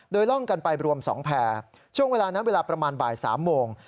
โดยล่องกันไปรวม๒แผ่ช่วงเวลานั้นเวลาประมาณบ่าย๓โมง